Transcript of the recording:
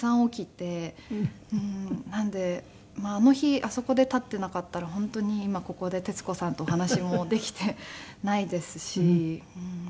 なのであの日あそこで立っていなかったら本当に今ここで徹子さんとお話もできていないですし。